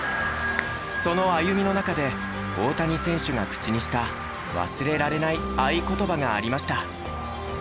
その歩みの中で大谷選手が口にした忘れられない愛ことばがありました。